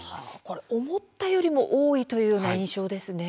これ思ったよりも多いというような印象ですね。